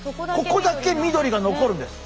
ここだけみどりが残るんです。